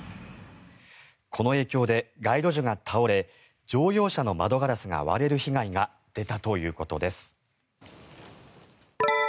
この影響で街路樹が倒れ乗用車の窓ガラスが割れる被害が出たということです。